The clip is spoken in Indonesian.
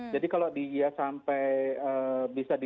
jadi kalau dia sampai bisa di